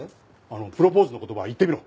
プロポーズの言葉言ってみろ。